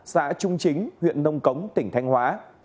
xã trung chính huyện nông cống tỉnh thanh hóa